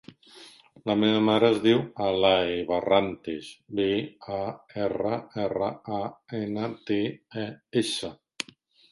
La meva mare es diu Alae Barrantes: be, a, erra, erra, a, ena, te, e, essa.